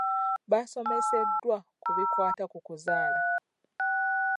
Baasomeseddwa ku bikwata ku kuzaala.